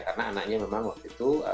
karena anaknya memang waktu itu